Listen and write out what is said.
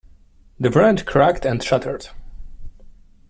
The wrench cracked and shattered.